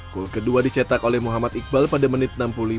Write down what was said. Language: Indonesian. gol kedua dicetak oleh muhammad iqbal pada menit enam puluh lima